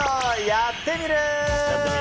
「やってみる。」